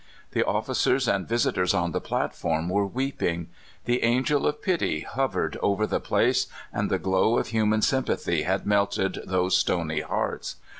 The officers and visitors on the platform were w^eeping. The angel of pity hovered over the place, and the glow^ of human sympathy had melted those stony hearts.